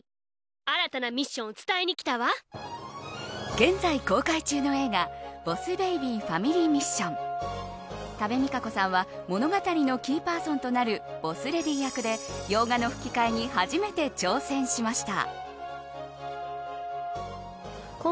現在公開中の映画ボス・ベイビーファミリー・ミッション多部未華子さんは物語のキーパーソンとなるボス・レディ役で洋画の吹き替えに初めて挑戦しました。